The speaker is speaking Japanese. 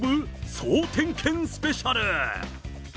総点検スペシャル。